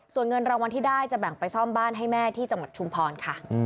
ส่วนเงินรางวัลที่ได้จะแบ่งไปซ่อมบ้านให้แม่ที่จังหวัดชุมพรค่ะ